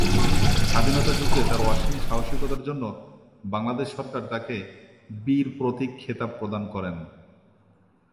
স্বাধীনতা যুদ্ধে তার অসীম সাহসিকতার জন্য বাংলাদেশ সরকার তাকে বীর প্রতীক খেতাব প্রদান করেন।